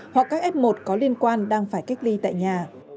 hoặc các f một có liên quan đang phải cách ly tại nhà